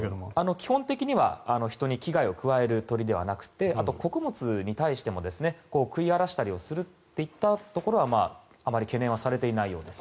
基本的には人に危害を加える鳥ではなくてあと、穀物に対しても食い荒らしたりするところではあまり懸念されていないようです。